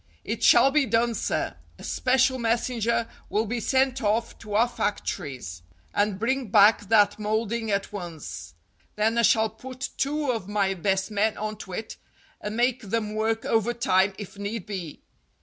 "It shall be done, sir. A special messenger will be sent off to our factories, and bring back that moulding at once. Then I shall put two of my best men on to it, and make them work overtime if need be.